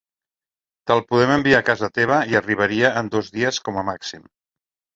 Te'l podem enviar a casa teva i arribaria en dos dies com a màxim.